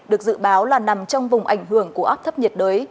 được dự báo là nằm trong vùng ảnh hưởng của áp thấp nhiệt đới